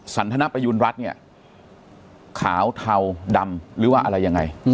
สันทนประยุณรัฐเนี่ยขาวเทาดำหรือว่าอะไรยังไง